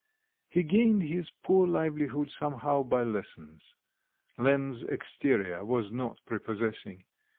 He gained his poor livelihood somehow by lessons. Lemm's exterior was not prepossessing.